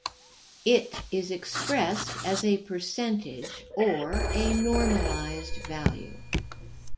It is expressed as a percentage or a normalized value.